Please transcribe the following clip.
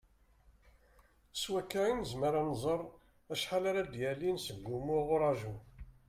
S wakka i nezmer ad nẓer acḥal ara d-yalin seg wumuɣ n uraju.